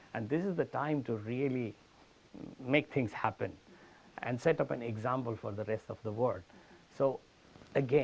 dan ini adalah waktu untuk membuat hal terjadi dan menetapkan contoh untuk seluruh dunia